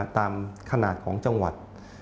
ตามขนาดของจังหวัด